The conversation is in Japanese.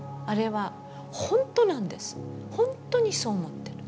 ほんとにそう思ってる。